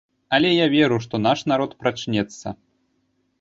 Але я веру, што наш народ прачнецца.